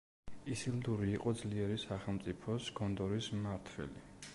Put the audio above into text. ისილდური იყო ძლიერი სახელმწიფოს, გონდორის მმართველი.